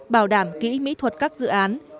bảo đảm kỹ mỹ thuật các dự án